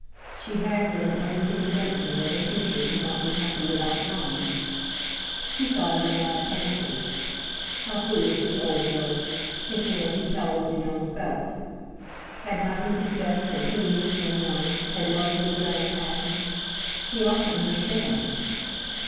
She had, then, only to convince him that her future could not be happy without Jon. He thought it a mad fancy. How foolish the old were, thinking they could tell what the young felt! Had not he confessed that he—when young—had loved with a grand passion? He ought to understand!